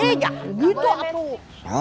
iy gak gitu atuh